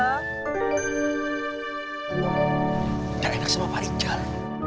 nggak enak sama pak rijal